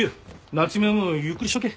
夏海はもうゆっくりしとけ。